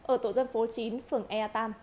ở tổ dân phố chín phường e ba